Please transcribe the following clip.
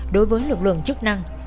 đối với lực lượng chức năng